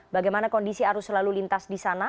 bagaimana kondisi arus lalu lintas di sana